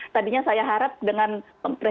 tadinya saya harap dengan